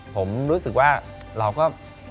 ผมรู้สึกว่าเราก็